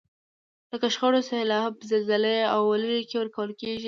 لکه شخړو، سیلاب، زلزلې او ولږې کې ورکول کیږي.